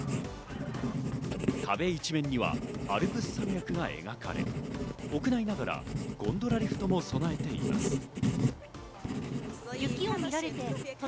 壁一面にはアルプス山脈が描かれ、屋内ながらゴンドラリフトも備えています。